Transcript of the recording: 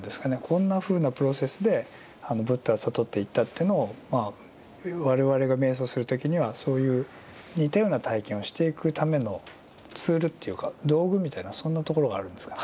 こんなふうなプロセスでブッダは悟っていったというのをまあ我々が瞑想する時にはそういう似たような体験をしていくためのツールというか道具みたいなそんなところがあるんですか。